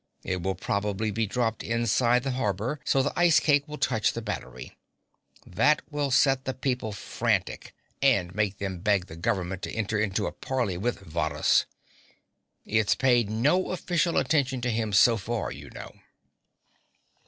It will probably be dropped inside the harbor so the ice cake will touch the Battery. That will set the people frantic, and make them beg the government to enter into a parley with Varrhus. It's paid no official attention to him so far, you know."